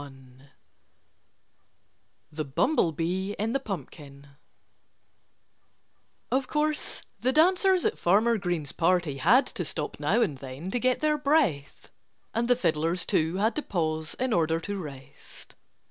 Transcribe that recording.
XXI THE BUMBLEBEE IN THE PUMPKIN Of course the dancers at Farmer Green's party had to stop now and then to get their breath. And the fiddlers, too, had to pause in order to rest.